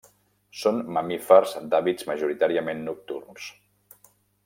Són mamífers d'hàbits majoritàriament nocturns.